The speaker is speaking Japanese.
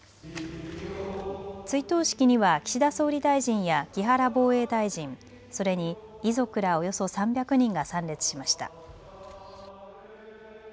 追悼式には岸田総理大臣や木原防衛大臣、それに遺族らおよそ３００人が参列しました。